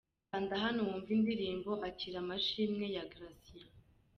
Kanda hano wumve indirimbo 'Akira amashimwe' ya Gracien.